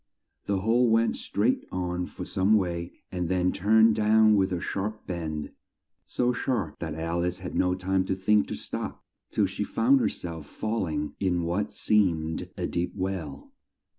The hole went straight on for some way and then turned down with a sharp bend, so sharp that Al ice had no time to think to stop till she found her self fall ing in what seemed a deep well.